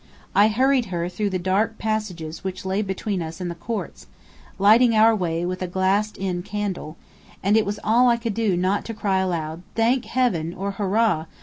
I hurried her through the dark passages which lay between us and the courts, lighting our way with a glassed in candle; and it was all I could do not to cry out aloud "Thank heaven!" or "Hurrah!"